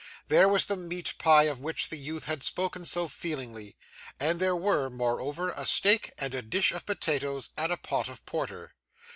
There was the meat pie of which the youth had spoken so feelingly, and there were, moreover, a steak, and a dish of potatoes, and a pot of porter.